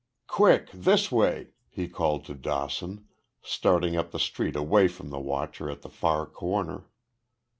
"Quick, this way!" he called to Dawson, starting up the street away from the watcher at the far corner.